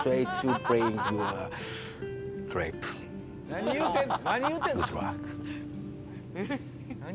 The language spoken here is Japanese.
何言うてんの？